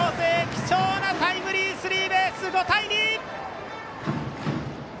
貴重なタイムリースリーベースで５対２。